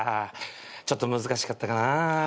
ちょっと難しかったかな？